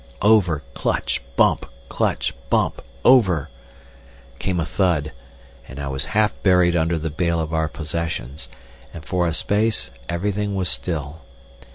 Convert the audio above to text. Over, clutch, bump, clutch, bump, over.... Came a thud, and I was half buried under the bale of our possessions, and for a space everything was still.